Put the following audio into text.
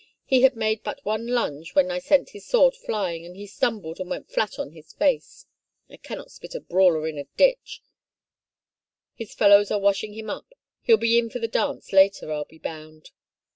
" He had made but one lunge when I sent his sword flying and he stimibled and went flat on his face — I cannot spit a brawler in a ditch 1 His fellows are washing him up — he'll be in for the dance later, Fll be bound."